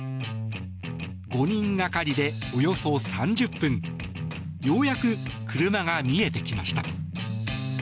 ５人がかりでおよそ３０分ようやく車が見えてきました。